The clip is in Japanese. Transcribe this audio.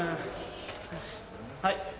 はい？